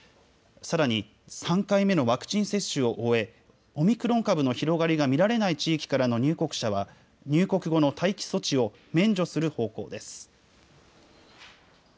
さらに３回目のワクチン接種を終え、オミクロン株の広がりが見られない地域からの入国者は、入国後の待機措置を免除する方向です。